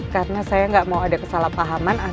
karena saya gak mau ada kesalahpahaman